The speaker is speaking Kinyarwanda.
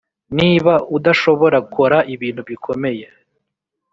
niba udashobora kora ibintu bikomeye,